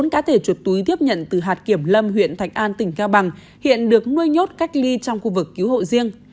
bốn cá thể chuột túi tiếp nhận từ hạt kiểm lâm huyện thạch an tỉnh cao bằng hiện được nuôi nhốt cách ly trong khu vực cứu hộ riêng